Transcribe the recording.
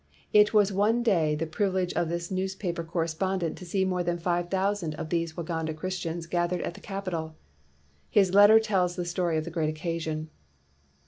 It was one day the privilege of this news paper correspondent to see more than five thousand of these Waganda Christians gathered at the capital. His letter tells the story of the great occasion.